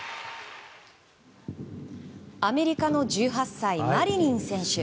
アメリカの１８歳マリニン選手。